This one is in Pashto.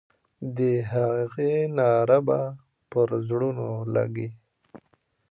د هغې ناره به پر زړونو لګي.